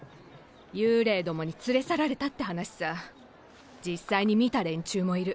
幽霊どもに連れ去られたって話さ実際に見た連中もいる。